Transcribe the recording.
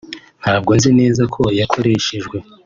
ntabwo nzi neza ko yakoreshejwe